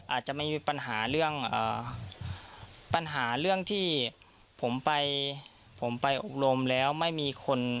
อาจจะไม่มีปัญหาเรื่องปัญหาเรื่องที่ผมไปผมไปอบรมแล้วไม่มีคน